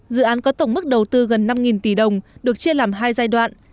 dự án có tổng mức đầu tư gần năm tỷ đồng được chia làm hai giai đoạn